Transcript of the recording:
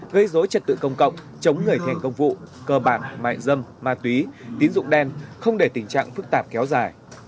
gây dối trật tự công cộng chống người thi hành công vụ cơ bản mại dâm ma túy tín dụng đen không để tình trạng phức tạp kéo dài